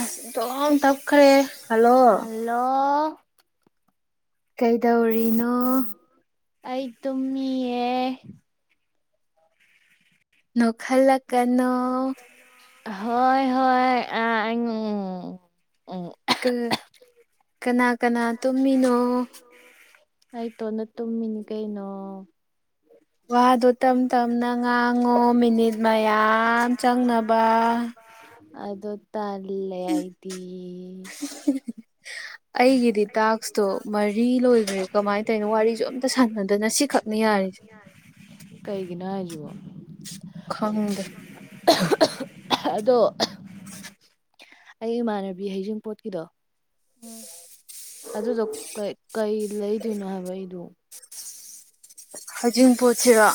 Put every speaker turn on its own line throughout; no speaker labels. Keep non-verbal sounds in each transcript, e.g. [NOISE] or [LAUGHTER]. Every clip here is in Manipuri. ꯑꯁ ꯏꯟꯊꯣꯛꯇꯞꯈ꯭ꯔꯦ ꯍꯜꯂꯣ
ꯍꯜꯂꯣ
ꯀꯩꯗꯧꯔꯤꯅꯣ
ꯑꯩ ꯇꯨꯝꯃꯤꯌꯦ
ꯅꯣꯛꯍꯜꯂꯛ ꯀꯅꯣ
ꯍꯣꯏ ꯍꯣꯏ ꯑꯥ ꯎꯝ
ꯀ ꯀꯅꯥ ꯀꯅꯥ ꯇꯨꯝꯃꯤꯅꯣ
ꯑꯩ ꯇꯣꯟꯗ ꯇꯨꯝꯃꯤꯅꯤ ꯀꯩꯅꯣ
ꯋꯥꯗꯣ ꯇꯝ ꯇꯝꯅ ꯉꯥꯡꯉꯣ ꯃꯤꯅꯤꯠ ꯃꯌꯥꯝ ꯆꯪꯅꯕ
ꯑꯗꯣ ꯇꯜꯂꯦ ꯑꯩꯗꯤ
ꯑꯩꯒꯤꯗꯤ ꯇꯥꯛꯁꯇꯣ ꯃꯔꯤ ꯂꯣꯏꯈ꯭ꯔꯦ ꯀꯃꯥꯏꯅ ꯇꯧꯔꯤꯅꯣ ꯋꯥꯔꯤꯁꯨ ꯑꯝꯇ ꯁꯥꯟꯅꯗꯅ ꯁꯤꯈꯛꯅꯤ ꯌꯥꯔꯤꯁꯦ
ꯀꯩꯒꯤꯅꯣ ꯍꯥꯏꯁꯤꯕꯣ
ꯈꯪꯗꯦ
ꯑꯗꯣ ꯑꯩ ꯏꯃꯥꯟꯅꯕꯤ ꯍꯩꯖꯤꯡꯄꯣꯠꯀꯤꯗꯣ ꯑꯗꯨꯗꯣ ꯀꯩ ꯀꯩ ꯂꯩꯗꯣꯏꯅꯣ ꯍꯥꯏꯕ ꯑꯩꯗꯣ
ꯍꯩꯖꯤꯡꯄꯣꯠꯁꯤꯔꯣ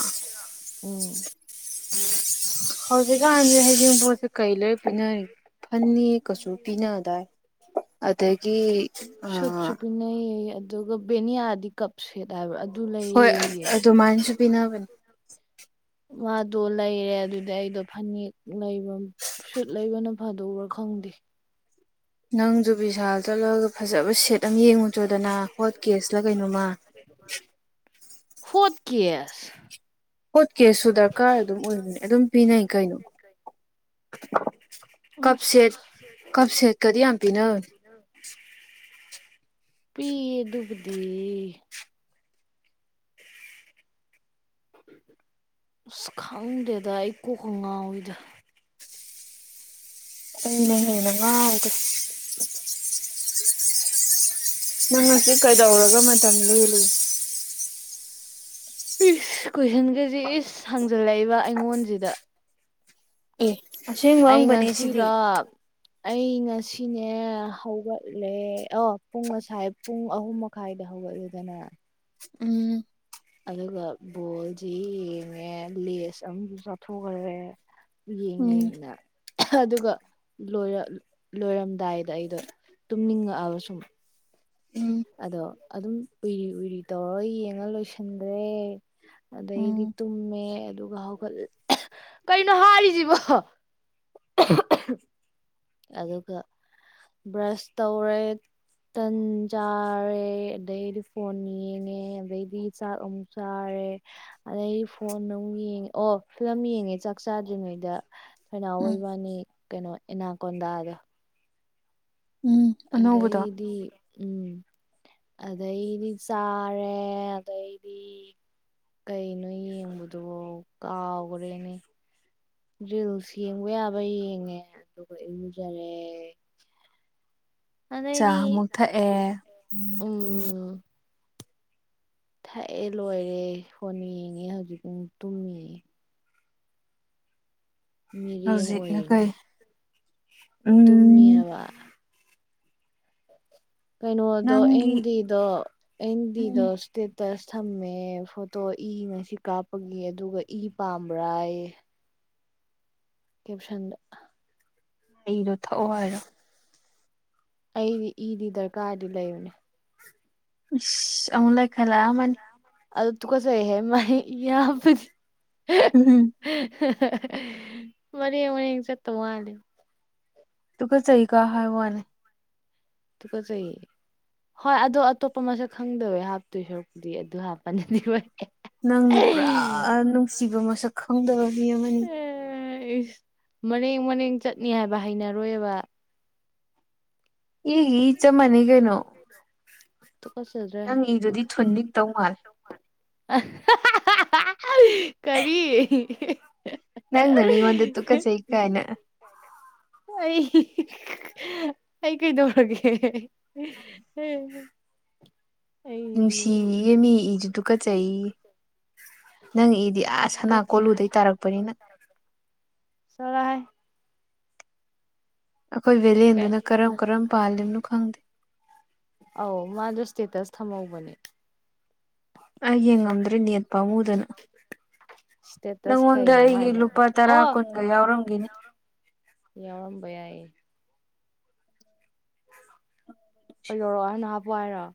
ꯎꯝ
[INAUDIBLE] ꯍꯧꯖꯤꯛꯀꯥꯟꯁꯦ ꯍꯩꯖꯤꯡꯄꯣꯠꯁꯦ ꯀꯩ ꯂꯩꯔ ꯄꯤꯅꯔꯤꯒꯦ ꯐꯥꯅꯦꯛ ꯀꯁꯨꯄꯤꯅꯗꯥꯏ ꯑꯗꯒꯤ ꯑꯥ
ꯁꯨꯠꯁꯨ ꯄꯤꯅꯩꯌꯦ ꯑꯗꯨꯒ ꯚꯦꯅꯤꯌꯥꯗꯤ ꯀꯞ ꯁꯦꯠ ꯍꯥꯏꯕꯔ
ꯍꯣꯏ ꯑꯗꯨ ꯃꯥꯏꯅꯁꯨ ꯄꯤꯅꯕꯅꯦ
ꯃꯥꯗꯣ ꯂꯩꯔꯦ ꯑꯗꯨꯗꯩꯗꯣ ꯐꯥꯅꯦꯛ ꯂꯩꯕ ꯁꯨꯠ ꯂꯩꯕꯅ ꯐꯗꯧꯕ꯭ꯔꯥ ꯈꯪꯗꯦ
ꯅꯪꯁꯨ ꯕꯤꯁꯥꯜ ꯆꯠꯂꯒ ꯐꯖꯕ ꯁꯤꯠ ꯈꯤꯇꯪ ꯌꯦꯡꯉꯨ ꯆꯣꯗꯅ ꯍꯣꯠ ꯀꯦꯁꯂ ꯀꯩꯅꯣꯃ
ꯍꯣꯠ ꯀꯦꯁ
ꯍꯣꯠ ꯀꯦꯁꯁꯨ ꯗꯔꯀꯥꯔ ꯑꯗꯨꯝ ꯑꯣꯏꯕꯅꯦ ꯑꯗꯨꯝ ꯄꯤꯅꯩ ꯀꯩꯅꯣ ꯀꯞ
ꯑꯁ
ꯁꯦꯠ ꯀꯞ ꯁꯦꯠꯀꯗꯤ ꯌꯥꯝ ꯄꯤꯅꯕꯅꯤ
ꯄꯤꯑ ꯗꯨꯕꯨꯗꯤ ꯑꯁ ꯈꯪꯗꯦꯗ ꯑꯩ ꯀꯣꯛꯀ ꯉꯥꯎꯏꯗ
ꯑꯩꯅ ꯍꯦꯅ ꯉꯥꯎꯈꯔꯦ [INAUDIBLE] [UNINTELLIGIBLE] ꯀꯩꯗꯧꯔꯒ ꯃꯇꯝ ꯂꯦꯜꯂꯤ [INAUDIBLE]
ꯄꯤꯁ ꯀꯣꯏꯁꯟꯒꯁꯤ ꯏꯁ ꯍꯥꯡꯖꯜꯂꯛꯏꯕ ꯑꯩꯉꯣꯟꯁꯤꯗ
ꯑꯦ ꯑꯁꯦꯡ
ꯑꯩ
ꯍꯪꯡꯕꯅꯦ ꯁꯤꯗꯤ
ꯉꯁꯤꯔꯣ ꯑꯩ ꯉꯁꯤꯅꯦ ꯍꯧꯒꯠꯂꯦ ꯑꯣ ꯄꯨꯡ ꯉꯁꯥꯏ ꯄꯨꯡ ꯑꯍꯨꯝ ꯃꯈꯥꯏꯗ ꯍꯧꯒꯠꯂꯦꯗꯅ
ꯎꯝ
ꯑꯗꯨꯒ ꯕꯣꯜꯁꯤ ꯌꯦꯡꯉꯦ ꯂꯦꯁ ꯑꯃꯨꯛ ꯆꯥꯊꯣꯛꯈ꯭ꯔꯦ ꯌꯦꯡ
ꯎꯝ
ꯌꯦꯡꯅ ꯑꯗꯨꯒ ꯂꯣꯏꯔꯝꯗꯥꯏꯗ ꯑꯩꯗꯣ ꯇꯨꯝꯅꯤꯡꯉꯛꯑꯕ ꯁꯨꯝ
ꯎꯝ
ꯑꯗꯣ ꯑꯗꯨꯝ ꯎꯏꯔꯤ ꯎꯏꯔꯤ ꯇꯧꯔꯒ ꯌꯦꯡꯉ ꯂꯣꯏꯁꯤꯟꯈ꯭ꯔꯦ
ꯎꯝ
ꯑꯗꯩꯗꯤ ꯇꯨꯝꯃꯦ ꯑꯗꯨꯒ ꯍꯧꯒꯠ ꯀꯅꯣ ꯍꯥꯏꯔꯤꯁꯤꯕꯣ ꯑꯗꯨꯒ ꯕ꯭ꯔꯁ ꯇꯧꯔꯦ ꯇꯟ ꯆꯥꯔꯦ ꯑꯗꯩꯗꯤ ꯐꯣꯟ ꯌꯦꯡꯉꯦ ꯑꯗꯩꯗꯤ ꯆꯥꯛ ꯑꯃꯨꯛ ꯆꯥꯔꯦ ꯑꯗꯩꯗꯤ ꯐꯣꯟ ꯑꯃꯨꯛ ꯌꯦꯡꯉꯦ ꯑꯣ ꯐꯤꯂꯝ ꯌꯦꯡꯑꯦ ꯆꯥꯛ ꯆꯥꯗꯔꯤ ꯉꯩꯗ ꯑꯈꯣꯏꯅꯥꯎ
ꯎꯝ
ꯏꯕꯥꯅꯤ ꯀꯩꯅꯣ ꯑꯦꯅꯥꯀꯣꯟꯗꯥꯗꯣ
ꯎꯝ ꯑꯅꯧꯕꯗꯣ
ꯑꯗ꯭ꯩꯗꯤ ꯎꯝ ꯑꯗꯩꯗꯤ ꯆꯥꯔꯦ ꯑꯗꯩꯗꯤ ꯀꯩꯅꯣ ꯌꯦꯡꯕꯗꯣ ꯀꯥꯎꯈ꯭ꯔꯦꯅꯦ ꯔꯤꯜꯁ ꯌꯦꯡꯕ ꯌꯥꯕ ꯌꯦꯡꯉꯦ ꯑꯗꯨꯒ ꯏꯔꯨꯖꯔꯦ
ꯆꯥ
ꯑꯗꯩꯗꯤ
ꯑꯃꯨꯛ ꯊꯛꯑꯦ
ꯎꯝ ꯊꯛꯑꯦ ꯂꯣꯏꯔꯦ ꯐꯣꯟ ꯌꯦꯡꯉꯦ ꯍꯧꯖꯤꯛ ꯇꯨꯝꯃꯤ ꯃꯤꯔꯦꯝ
ꯍꯧꯖꯤꯛꯅ
ꯑꯣꯏꯔꯤꯅꯦ
ꯀꯩ
ꯇꯨꯃꯤ
ꯎꯝ
ꯍꯥꯏꯕ ꯀꯩꯅꯣꯗꯣ
ꯅꯪꯒꯤ
ꯑꯟꯗꯤꯗꯣ
ꯎꯝ
ꯑꯟꯗꯤꯗꯣ ꯁꯇꯦꯇꯁ ꯊꯝꯃꯦ ꯐꯣꯇꯣ ꯏ ꯉꯁꯤ ꯀꯥꯞꯄꯒꯤ ꯑꯗꯨꯒ ꯏ ꯄꯥꯝꯕ꯭ꯔꯥꯥꯌꯦ ꯀꯦꯞꯁꯟꯗ
ꯑꯩꯔꯣ ꯊꯛꯑꯣ ꯍꯥꯏꯔꯣ
ꯑꯩꯗꯤ ꯏꯗꯤ ꯗꯔꯀꯥꯔꯗꯤ ꯂꯩꯕꯅꯦ
ꯏꯁ ꯑꯃꯨꯛ ꯂꯩꯈꯠꯂꯑꯃꯅꯤ
ꯑꯗꯨ ꯇꯨꯒꯠꯆꯩ ꯍꯦ ꯃꯥ ꯌꯥ ꯍꯥꯞꯄꯗꯤ
ꯎꯝ
ꯍꯛ ꯃꯔꯦ ꯃꯔꯦ ꯆꯠꯇꯧ ꯃꯥꯂꯤ
ꯇꯨꯀꯠꯆꯩ ꯀ ꯍꯥꯏ ꯋꯥꯅꯦ
ꯇꯨꯀꯠꯆꯌꯦ ꯍꯣꯏ ꯑꯗꯣ ꯑꯇꯣꯞꯄ ꯃꯁꯛ ꯈꯪꯗꯕ ꯍꯥꯞꯇꯣꯏ ꯁꯔꯨꯛꯄꯨꯗꯤ ꯑꯗꯨ ꯍꯥꯞꯄꯅꯤꯗꯤ ꯐꯩ
ꯅꯪꯗꯤ ꯄꯨꯔꯥ ꯅꯨꯡꯁꯤꯕ ꯃꯁꯛ ꯈꯪꯗꯕ ꯃꯤ ꯑꯃꯅꯤ
ꯃꯅꯦꯡ ꯃꯅꯦꯡ ꯆꯠꯅꯤ ꯍꯥꯏꯕ ꯍꯩꯅꯔꯣꯏꯕ
ꯏꯒꯤ ꯏ ꯆꯞ ꯃꯥꯟꯅꯩ ꯀꯩꯅꯣ
[INAUDIBLE] ꯀꯁ
ꯅꯪ ꯏꯗꯨꯗꯤ ꯊꯨꯟꯅꯤꯛ ꯇꯧ ꯃꯥꯜꯂꯦ
[UNINTELLIGIBLE] ꯀꯔꯤ
ꯅꯪꯅ ꯃꯤꯉꯣꯟꯗ ꯇꯨꯀ ꯆꯩ ꯀꯥꯏꯅ
ꯑꯩ ꯑꯩ ꯀꯩꯗꯧꯔꯒꯦ [UNINTELLIGIBLE] ꯑꯩꯗꯤ
ꯅꯨꯡꯁꯤꯃꯤ [INAUDIBLE] ꯑꯣ ꯆꯩꯩ [INAUDIBLE] ꯅꯪ ꯏꯗꯤ ꯑꯁ ꯁꯅꯥ
ꯇꯨꯀꯠꯆꯩ
ꯀꯣꯜꯂꯨꯗꯩ ꯇꯥꯔꯛꯄꯅꯤꯅ
ꯆꯠꯂꯣꯍꯦ
ꯑꯩꯈꯣꯏ ꯚꯦꯂꯦꯟꯗꯨꯅ ꯀꯔꯝ ꯀꯔꯝ ꯄꯥꯜꯂꯤꯕꯅꯣ ꯈꯪꯗꯦ
ꯊꯝꯍꯧꯕꯅꯤ
ꯑꯩ ꯌꯦꯡꯉꯝꯗ꯭ꯔꯦ ꯅꯦꯠ ꯄꯥꯝꯃꯨꯗꯅ
ꯏꯁꯇꯦꯇꯁ
ꯅꯪꯉꯣꯟꯗ
ꯀꯩꯩꯅꯣ
ꯑꯩꯒꯤ
ꯃꯥꯏꯗꯣ
ꯂꯨꯄꯥ ꯇꯔꯥ
ꯑꯣ
ꯀꯨꯟꯒ ꯌꯥꯎꯔꯝꯒꯤꯅꯤ
ꯌꯥꯎꯔꯝꯕ ꯌꯥꯏꯌꯦ ꯌꯧꯔꯛꯑꯣ ꯍꯥꯏꯅꯣ ꯍꯥꯞꯄꯛ ꯑꯣ ꯍꯥꯏꯔꯣ [UNINTELLIGIBLE]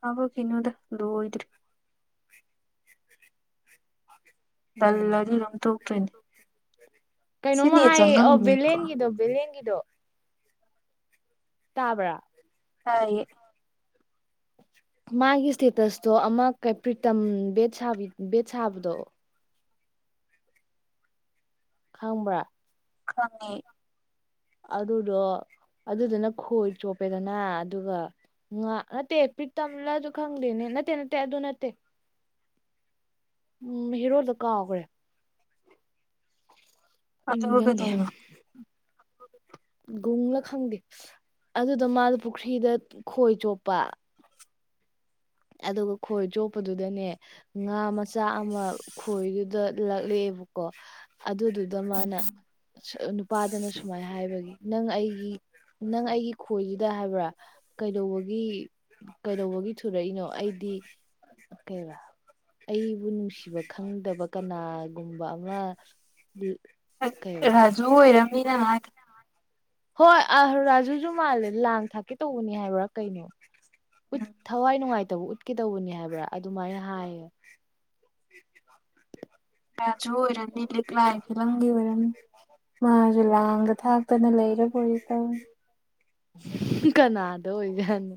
ꯀꯥꯄꯛ ꯈꯤꯅꯨꯗ ꯂꯣꯏꯗ꯭ꯔꯤ ꯇꯜꯂꯗꯤ ꯑꯗꯨꯝ ꯇꯣꯛꯇꯣꯏꯅꯤ
ꯎ
ꯁꯤ
ꯀꯩꯅꯣꯝꯃ
ꯅꯦꯠ
ꯍꯥꯏꯌꯦ ꯑꯣ
ꯆꯪꯉꯝꯅꯤꯀꯣ
ꯚꯦꯂꯦꯟꯒꯤꯗꯣ ꯚꯦꯂꯦꯟꯒꯤꯗꯣ ꯇꯥꯕ꯭ꯔꯥ
ꯇꯥꯏꯌꯦ
ꯃꯥꯒꯤ ꯏꯁꯇꯦꯇꯁꯇꯣ ꯑꯃ ꯄ꯭ꯔꯤꯇꯝ ꯕꯦꯠ ꯁꯥ ꯕꯦꯠ ꯁꯥꯕꯗꯣ ꯈꯪꯕ꯭ꯔꯥ
ꯈꯪꯉꯤ
ꯑꯗꯨꯗꯣ ꯑꯗꯨꯗꯨꯅ ꯈꯣꯏ ꯆꯣꯞꯄꯦꯗꯅ ꯑꯗꯨꯒ ꯉꯥ ꯅꯠꯇꯦ ꯄꯔꯤꯇꯝ ꯂꯁꯨ ꯈꯪꯗꯦꯅꯦ ꯅꯠꯇꯦ ꯅꯠꯇꯦ ꯑꯗꯣ ꯅꯠꯇꯦ ꯎꯝ ꯍꯦꯔꯣꯗꯣ ꯀꯣꯎꯈꯔꯦ ꯑꯩ
ꯑꯗ
ꯅꯤꯡꯁꯤꯡꯒꯦ
ꯍꯒꯗꯩꯅ [UNINTELLIGIBLE]
ꯒꯨꯡꯂ ꯈꯪꯗꯦ ꯑꯗꯨꯗ ꯃꯥꯗꯣ ꯄꯨꯈ꯭ꯔꯤꯗ ꯈꯣꯏ ꯆꯣꯞꯄ ꯑꯗꯨꯒ ꯈꯣꯏ ꯆꯣꯛꯞꯄꯗꯨꯗꯅꯦ ꯉꯥ ꯃꯆꯥ ꯑꯃ ꯈꯣꯏꯗꯨꯗ ꯂꯛꯂꯛꯑꯦꯕꯀꯣ ꯑꯗꯨꯗꯨꯗꯣ ꯃꯥꯅ ꯅꯨꯄꯥꯗꯅ ꯁꯨꯃꯥꯏꯅ ꯍꯥꯏꯕꯒꯤ ꯅꯪ ꯑꯩꯒꯤ ꯅꯪ ꯑꯩꯒꯤ ꯈꯣꯏꯗꯨꯗ ꯍꯥꯏꯕ꯭ꯔꯥ ꯀꯩꯗꯧꯕꯒꯤ ꯀꯩꯗꯧꯕꯒꯤ ꯊꯨꯔꯛꯏꯅꯣ ꯑꯩꯗꯤ ꯀꯩꯕ ꯑꯩꯕꯨ ꯅꯨꯡꯁꯤꯕ ꯈꯪꯗꯕ ꯀꯅꯥꯒꯨꯝꯕ ꯑꯃ ꯀꯩꯕ
ꯔꯥꯖꯨ ꯑꯣꯏꯔꯝꯅꯤ ꯅꯪ ꯍꯥꯏꯗꯣ
ꯍꯣꯏ ꯑ ꯔꯥꯖꯨꯁꯨ ꯃꯥꯜꯂꯦ ꯂꯥꯡ ꯊꯥꯛꯀꯦ ꯇꯧꯕꯅꯦ ꯍꯥꯏꯕ꯭ꯔꯥ ꯀꯩꯅꯣ ꯎ
ꯎꯝ
ꯊꯋꯥꯏ ꯅꯨꯡꯉꯥꯏꯇ ꯕꯨ ꯎꯠꯀꯦ ꯇꯧꯕꯅꯤ ꯍꯥꯏꯕ꯭ꯔꯥ ꯑꯗꯨꯃꯥꯏꯅ ꯍꯥꯏꯌꯦ
ꯑ [INAUDIBLE] ꯨꯆꯣꯏꯔꯕꯤ ꯂꯤꯛꯂꯥꯏ ꯐꯤꯂꯝꯒꯤ ꯑꯣꯏꯔꯝꯅꯤ ꯃꯥꯁꯨ ꯂꯥꯡꯗ ꯊꯥꯛꯇꯅ ꯂꯩꯔꯕꯣꯏ ꯇꯧꯔꯤ
ꯀꯅꯥꯗꯥ ꯑꯣꯏꯖꯅꯣ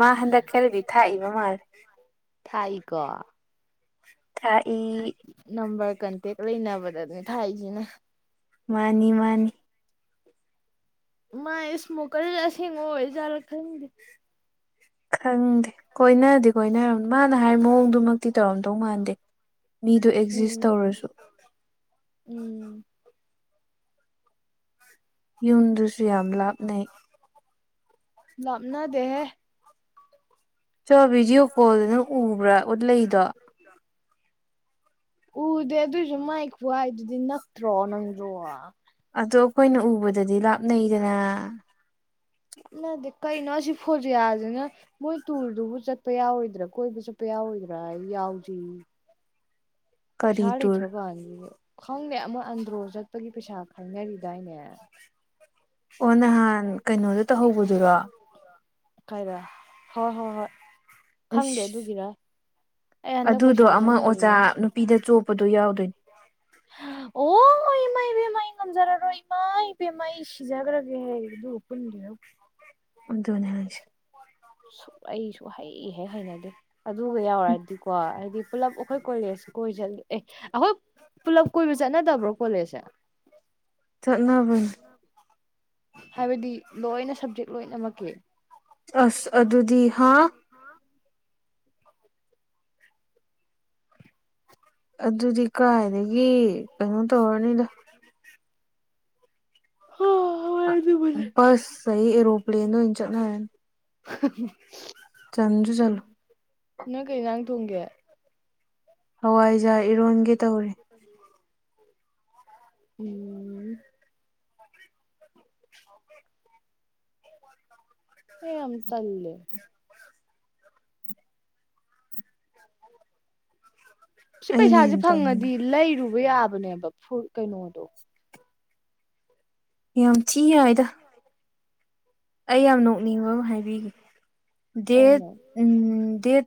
ꯃꯥ ꯍꯟꯗꯛ ꯈꯔꯗꯤ ꯊꯥꯛꯏꯕ ꯃꯥꯜꯂꯦ
ꯊꯥꯛꯏꯀꯣ
ꯊꯥꯛꯏ
ꯀꯟꯇꯦꯛ ꯂꯩꯅꯕꯗꯅꯤ ꯊꯥꯛꯏꯁꯤꯅꯥ
ꯃꯥꯅꯤ ꯃꯥꯅꯤ
ꯃꯥꯥꯏ ꯏꯁꯃꯣꯀꯔ ꯑꯁꯦꯡꯕ ꯑꯣꯏꯖꯥꯠꯂ ꯈꯪꯗꯦ
ꯈꯪꯗꯦ ꯀꯣꯏꯅꯗꯤ ꯀꯣꯏꯅꯔꯝ ꯃꯥꯅ ꯍꯥꯏꯔꯤ ꯃꯑꯣꯡꯗꯨꯃꯛꯇꯤ ꯇꯧꯔꯝꯗꯧ ꯃꯥꯟꯗꯦ ꯃꯤꯗꯨ ꯑꯦꯛꯖꯤꯁ
ꯎꯝ
ꯇꯧꯔꯁꯨ
ꯎꯝ
ꯌꯨꯝꯗꯨꯁꯨ ꯌꯥꯝ ꯂꯥꯞ ꯅꯩ
ꯂꯥꯞꯅꯗꯦꯍꯦ
ꯆꯣ ꯚꯤꯗꯤꯑꯣ ꯀꯣꯜꯗꯨ ꯅꯪ ꯎꯕ꯭ꯔꯥ ꯎꯠꯂꯛꯏꯗꯣ
ꯎꯗꯦ ꯑꯗꯨꯏꯁꯨ ꯃꯥꯏ ꯈꯨ ꯍꯥꯏꯗꯨꯗꯤ ꯅꯛꯇ꯭ꯔꯣ ꯅꯪꯖꯨ
ꯑꯗꯣ ꯑꯩꯈꯣꯏꯅ ꯎꯕꯗꯗꯤ ꯂꯥꯞꯅꯩꯗꯅ
ꯅꯠꯇꯦ ꯀꯩꯅꯣ ꯁꯤ ꯐꯣꯖꯤꯌꯥꯁꯤꯅ ꯃꯣꯏ ꯇꯨꯔꯗꯨꯕꯨ ꯆꯠꯄ ꯌꯥꯎꯔꯣꯏꯗ꯭ꯔꯥ ꯀꯣꯏꯕ ꯆꯠꯄ ꯌꯥꯎꯔꯣꯏꯗ꯭ꯔꯥ ꯌꯦ ꯌꯥꯎꯖꯦꯌꯦ
ꯀꯔꯤ
ꯄꯩꯁꯥ
ꯇꯨꯔ
ꯂꯩꯇ꯭ꯔꯀꯥꯟꯁꯤꯗ ꯈꯪꯗꯦ ꯑ ꯃꯣꯢ ꯑꯟꯗ꯭ꯔꯣ ꯆꯠꯄꯒꯤ ꯄꯩꯁꯥ ꯈꯥꯢꯅꯔꯤꯗꯥꯏꯅꯦ
ꯑꯣ ꯅꯍꯥꯟ ꯀꯩꯅꯣꯗ ꯇꯧꯍꯧꯕꯗꯨꯔꯣ
ꯀꯥꯏꯗ ꯍꯣ ꯍꯣ ꯍꯣꯏ ꯈꯪꯗꯦ
ꯑꯁ
ꯑꯗꯨꯒꯤꯔ ꯑꯩ ꯍꯟꯗꯛ
ꯑꯗꯨꯗꯣ
ꯄꯩꯁꯥ
ꯑꯃ ꯑꯣꯖꯥ
ꯆꯪꯗ꯭ꯔꯤꯅꯦ
ꯅꯨꯄꯤꯗ ꯆꯣꯄꯗꯣ ꯌꯥꯎ ꯌꯧꯗꯣꯢꯅꯤ
ꯑꯣ ꯏꯃꯥ ꯏꯕꯦꯝꯃꯥ ꯑꯩ ꯉꯝꯖꯔꯔꯣꯏ ꯏꯃꯥ ꯏꯕꯦꯝꯃꯥ ꯁꯤꯖꯈ꯭ꯔꯒꯦ ꯍꯥꯏ ꯑꯗꯨ ꯄꯨꯟꯗꯣꯢ ꯁꯔꯨꯛ
ꯑꯗꯨꯅꯤ ꯍꯥꯢꯁꯤ
ꯁꯨꯛ ꯑꯩ ꯁꯨꯛꯍꯩ ꯍꯦꯛ ꯍꯩꯅꯗꯦ ꯑꯗꯨꯒ ꯌꯥꯎꯔꯗꯤꯀꯣ ꯑꯩꯗꯤ ꯄꯨꯂꯞ ꯑꯩꯈꯣꯏ ꯀꯣꯂꯦꯖ ꯀꯣꯏ ꯆꯠ ꯑꯦ ꯑꯩꯈꯣꯏ ꯄꯨꯂꯞ ꯀꯣꯏꯕ ꯆꯠꯅꯗꯕ꯭ꯔꯣ ꯀꯣꯂꯦꯖꯁꯦ
ꯆꯠꯅꯕꯟ
ꯍꯥꯏꯕꯗꯤ ꯂꯣꯏꯅ ꯁꯕꯖꯦꯛ ꯂꯣꯏꯅꯃꯛꯀꯤ
ꯑꯁ ꯑꯗꯨꯗꯤ ꯍꯥ ꯑꯗꯨꯗꯤ ꯀꯥꯏꯗꯒꯤ ꯀꯩꯅꯣ ꯇꯧꯔꯅꯤꯗꯥ
ꯍ ꯍꯣꯏꯠ
ꯕꯁ ꯑꯌꯦ ꯑꯦꯔꯣꯄ꯭ꯂꯦꯟꯗ ꯑꯣꯏꯅ ꯆꯠꯅꯔꯅꯤ
ꯍ ꯍꯪ
ꯆꯥꯟꯖꯨ ꯆꯂꯣ
ꯇꯨꯡꯒꯦ
ꯍꯋꯥꯏꯖꯥ ꯏꯔꯣꯟꯒꯦ ꯇꯧꯔꯤ
ꯎꯝ ꯑꯦ ꯌꯥꯝ ꯇꯂꯦ [INAUDIBLE] ꯁꯤ
ꯑꯩꯅ
ꯄꯩꯁꯥꯁꯦ
ꯍꯦꯟꯅ
ꯐꯪꯉꯗꯤ
ꯇꯟꯈ꯭ꯔꯦ
ꯂꯩꯔꯨ ꯌꯥꯕꯅꯦꯕ ꯐꯨ ꯀꯩꯅꯣꯗꯣ
ꯌꯥꯝ ꯊꯤ ꯌꯥꯏꯗ ꯑꯩ ꯌꯥꯝ ꯅꯣꯛꯅꯤꯡꯕ ꯑꯃ ꯍꯥꯏꯕꯤꯒꯦ ꯗꯦꯠ
ꯀꯩꯅꯣ
ꯎꯝ ꯗꯦꯠ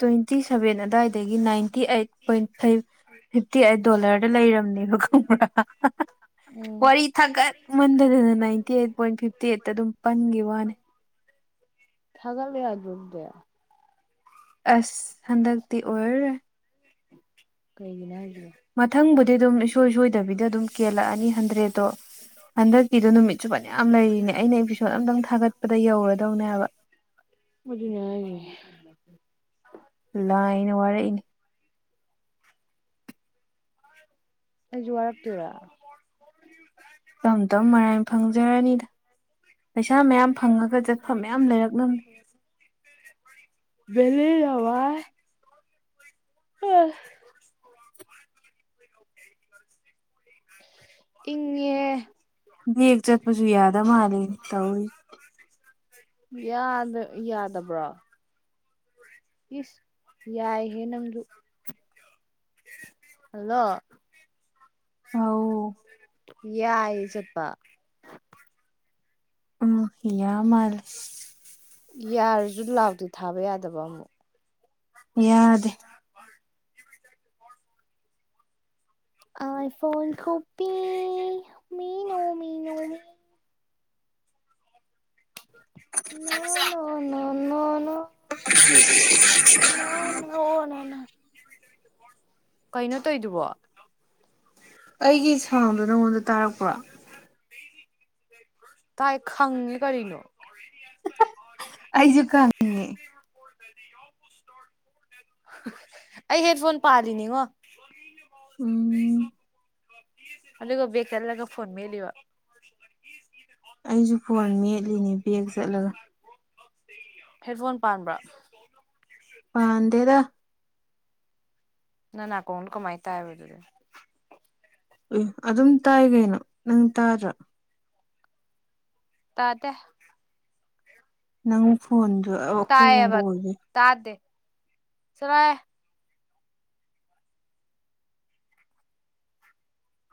ꯇ꯭ꯋꯦꯟꯇꯤ ꯁꯚꯦꯟ ꯑꯗꯨꯋꯥꯏꯗꯒꯤ ninety eight point five fifty eight ꯗꯣꯂꯔꯗ ꯂꯩꯔꯝꯅꯦꯕ ꯈꯪꯕ꯭ꯔ
ꯎꯝ
ꯋꯥꯔꯤ ꯊꯥꯒꯠꯃꯟꯗꯗꯅ ꯅꯥꯏꯟꯇꯤ ꯑꯩꯠ ꯄꯣꯏꯟ ꯐꯤꯞꯇꯤ ꯑꯩꯠꯇ ꯑꯗꯨꯝ ꯄꯟꯒꯤꯕ ꯋꯥꯅꯦ
ꯊꯒꯠꯂꯣ ꯌꯥꯗ꯭ꯔꯣ ꯑꯗꯨꯗꯤ
ꯑꯁ ꯍꯟꯗꯛꯇꯤ ꯑꯣꯏꯔꯔꯣꯏ
ꯀꯩꯒꯤꯅꯣ ꯍꯥꯏ
ꯃꯊꯪꯕꯨꯗꯤ ꯑꯗꯨꯝ ꯏꯁꯣꯏ ꯁꯣꯏꯗꯕꯤꯗ ꯑꯗꯨꯝ ꯀꯦꯜꯂꯛꯑꯅꯤ ꯍꯟꯗ꯭ꯔꯦꯠꯇꯣ ꯍꯟꯗꯛꯀꯤꯗꯣ ꯅꯨꯃꯤꯠ ꯆꯨꯞꯄꯅ ꯌꯥꯝ ꯂꯩꯔꯤꯅꯦ ꯑꯩꯅ ꯑꯦꯄꯤꯁꯣꯠ ꯑꯝꯇꯪ ꯊꯥꯒꯠꯄꯗ ꯌꯧꯔꯗꯧꯅꯦ ꯍꯥꯏꯕ
ꯑꯗꯨꯅꯦ ꯍꯥꯏꯁꯦ
ꯂꯥꯏꯅ ꯋꯥꯔꯛꯏꯅꯦ
ꯑꯩꯖꯨ ꯋꯥꯔꯛꯇꯣꯏꯔꯥ
ꯇꯞ ꯇꯞ ꯃꯔꯥꯏꯅ ꯐꯪꯖꯔꯅꯤꯗ ꯄꯩꯁꯥ ꯃꯌꯥꯝ ꯐꯪꯉꯒ ꯆꯠꯐꯝ ꯃꯌꯥꯝ ꯂꯩꯔꯛꯅꯝꯅꯤ
[UNINTELLIGIBLE] ꯏꯪꯉꯦ
ꯕꯦꯛ ꯆꯠꯄꯖꯨ ꯌꯥꯗ ꯃꯥꯜꯂꯤꯅꯦ ꯇꯧꯔꯤꯖꯦ
ꯌꯥꯗ ꯌꯥꯗꯕ꯭ꯔꯣ ꯏꯁ ꯌꯥꯏꯍꯦ ꯅꯪꯖꯨ ꯍꯜꯂꯣ
ꯑꯥꯎ
ꯌꯥꯏꯌꯦ ꯆꯠꯄꯥ
ꯎꯝ ꯌꯥꯃꯥꯂꯦ
ꯌꯥꯔꯖꯨ ꯂꯥꯎꯠ ꯇꯤ ꯊꯥꯕ ꯌꯥꯗꯕ ꯑꯃꯨꯛ
ꯌꯥꯗꯦ
ꯑꯥꯏꯐꯣꯟ ꯈꯨꯄꯤ ꯃꯤꯅꯣ ꯃꯤꯅꯣ ꯃꯤ [UNINTELLIGIBLE] [INAUDIBLE] ꯀꯩꯅꯣ ꯇꯧꯏꯗꯨꯕꯣ
ꯑꯩꯒꯤ ꯁꯥꯎꯟꯗꯣ ꯅꯪꯉꯣꯟꯗ ꯇꯥꯔꯛꯄ꯭ꯔꯣ
ꯇꯥꯏ ꯈꯪꯉꯦ ꯀꯔꯤꯅꯣ
ꯑꯩꯖꯨ ꯈꯪꯉꯦ
ꯑꯩ ꯍꯦꯠ ꯐꯣꯟ ꯄꯥꯂꯤꯅꯤꯉꯣ
ꯎꯝ
ꯑꯗꯨꯒ ꯕꯦꯛ ꯆꯠꯂꯒ ꯐꯣꯟ ꯃꯦꯠꯂꯤꯕꯥ
ꯑꯩꯁꯨ ꯐꯣꯟ ꯃꯦꯠꯂꯤꯅꯦ ꯕꯦꯛ ꯆꯠꯂꯒ
ꯍꯦꯠ ꯐꯣꯟ ꯄꯥꯟꯕ꯭ꯔꯣ
ꯄꯥꯟꯗꯦꯗ
ꯅꯅꯥꯀꯣꯡꯗꯣ ꯀꯃꯥꯏ ꯇꯥꯔꯤꯕ ꯑꯗꯨꯗꯤ
ꯑꯦ ꯑꯗꯨꯝ ꯇꯥꯏ ꯀꯩꯅꯣ ꯅꯪ ꯇꯥꯗ꯭ꯔꯥ
ꯇꯥꯗꯦ
ꯅꯪ ꯐꯣꯟ ꯄꯨꯡꯕꯣꯏꯅꯤ
ꯆꯔꯥꯍꯦ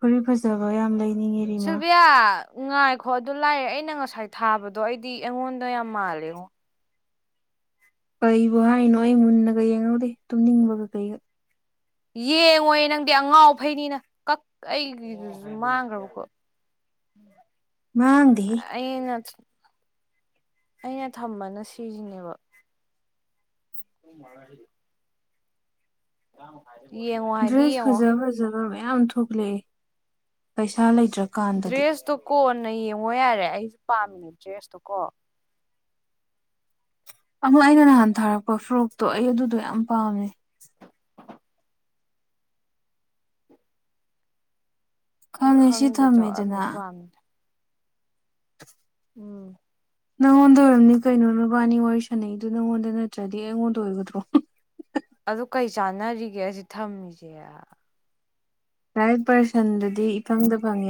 ꯐꯨꯔꯤꯠ ꯐꯖꯕ ꯌꯥꯝ ꯂꯩ
ꯁꯤꯜꯚꯤꯌꯥ ꯉꯥꯏꯈꯣ ꯑꯗꯨ ꯂꯥꯏꯔꯤ ꯑꯩꯅ ꯉꯁꯥꯏ ꯊꯥꯕꯗꯣ ꯑꯩꯗꯤ ꯑꯩꯉꯣꯟꯗ ꯌꯥꯝ ꯃꯥꯜꯂꯦꯉꯣ
ꯀꯩꯕꯨ ꯍꯥꯏꯅꯣ ꯑꯩ ꯃꯨꯟꯅꯒ ꯌꯦꯡꯍꯧꯗꯦ ꯇꯨꯝꯅꯤꯡꯕꯒ ꯀꯩꯒ
ꯌꯦꯡꯉꯣꯏ ꯅꯪꯗꯤ ꯑꯉꯥꯎ ꯑꯐꯩꯅꯤꯅ ꯀꯛ ꯑꯩꯒꯤꯗꯨꯁꯨ ꯃꯥꯡꯈ꯭ꯔꯕꯀꯣ
ꯃꯥꯡꯗꯦꯍꯦ
ꯑꯩꯅ ꯑꯩꯅ ꯊꯝꯕꯅ ꯁꯤꯁꯤꯅꯦꯕ [UNINTELLIGIBLE] ꯉꯥꯡꯉꯨ ꯍꯥꯢꯔꯤ
ꯗ꯭ꯔꯦꯁ ꯐꯖ ꯐꯖꯥꯕ ꯃꯌꯥ ꯌꯥꯝ ꯊꯣꯛꯂꯛꯑꯦ ꯄꯩꯁꯥ ꯂꯩ
ꯗ꯭ꯔꯦꯁ ꯇꯣ ꯀꯣꯟ ꯅ ꯌꯦꯡꯉꯣ ꯌꯥꯔꯦ ꯑꯩꯁꯨ ꯄꯥꯝꯃꯤꯅꯦ ꯗ꯭ꯔꯦꯁꯇꯣ ꯀꯣ
ꯑꯃꯨ ꯑꯩꯅ ꯅꯍꯥꯟ ꯊꯥꯔꯛꯄ ꯐ꯭ꯔꯣꯛꯇꯣ ꯑꯩ ꯑꯗꯨꯗꯣ ꯌꯥꯝ ꯄꯥꯝꯃꯦ
ꯑꯩ
ꯈꯪꯉꯦ ꯁꯤ
ꯈꯪꯗꯦꯗꯣ
ꯊꯝꯃꯦꯗꯅ
ꯑꯝꯇ ꯄꯥꯝꯃꯤꯅꯦ
[INAUDIBLE]
ꯎꯝ
ꯅꯪꯉꯣꯟꯗ ꯑꯣꯏꯔꯝꯅꯤ ꯀꯩꯅꯣ ꯅꯕꯥꯟꯅꯤ ꯋꯥꯔꯤ ꯁꯥꯟꯅꯩꯗ ꯅꯪꯉꯣꯟꯗ ꯅꯠꯇ꯭ꯔꯗꯤ ꯑꯩꯉꯣꯟꯗ ꯑꯣꯏꯒꯗ꯭ꯔꯣ
ꯑꯗꯨ ꯀꯩ ꯆꯥꯟꯅꯔꯤꯒꯦ ꯑꯁꯤ ꯊꯝꯃꯤꯁꯦ
ꯔꯥꯏꯠ ꯄꯔꯁꯟꯗꯗꯤ ꯏꯐꯪꯗ ꯐꯪꯉꯦ